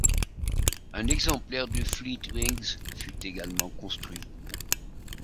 Un exemplaire du Fleetwings fut également construit.